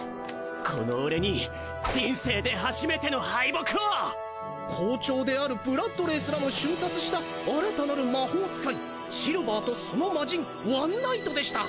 この俺に人生で初めての敗北を校長であるブラッドレーすらも瞬殺した新たなる魔法使いシルヴァーとそのマジンワンナイトでした！